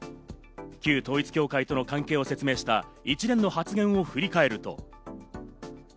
旧統一教会との関係を説明した一連の発言を振り返ると。